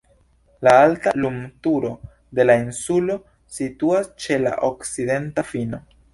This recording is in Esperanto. La alta lumturo de la insulo situas ĉe la okcidenta fino.